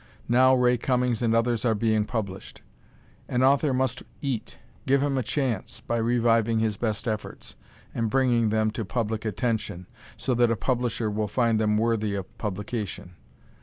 Now Ray Cummings and others are being published. "An author must eat." Give him a chance, by reviving his best efforts, and bringing them to public attention, so that a publisher will find them worthy of publication.